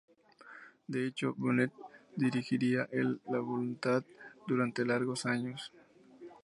De hecho, Bonet dirigiría el "Voluntad" durante largos años.